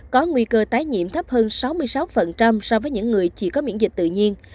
có nguy cơ tái nhiễm thấp hơn sáu mươi sáu so với những người chỉ có miễn dịch tự nhiên